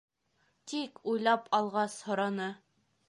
Тик, уйлап алғас, һораны: